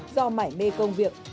do mãi mê công việc